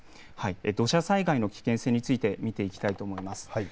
土砂災害の危険性について見ていきたいと思います。